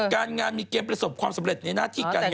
การงานมีเกมประสบความสำเร็จในหน้าที่การงาน